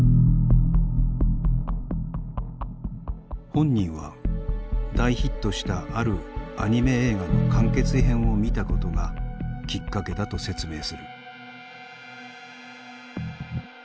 本人は大ヒットしたあるアニメ映画の完結編を見たことがきっかけだと説明する。